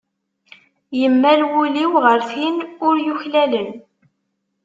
Yemmal wul-iw ɣer tin ur yuklalen.